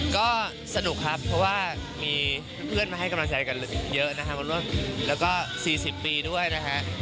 ก็สนุกครับเพราะว่ามีเพื่อนมาให้กำลังใจกันเยอะนะครับแล้วก็๔๐ปีด้วยนะฮะ